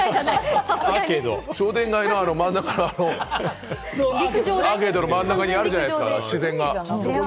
商店街の真ん中の、アーケードの真ん中にあるじゃないですか。